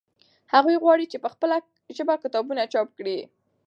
هغوی غواړي چې په خپله ژبه کتابونه چاپ کړي.